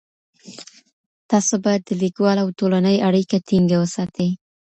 تاسو بايد د ليکوال او ټولني اړيکه ټينګه وساتئ.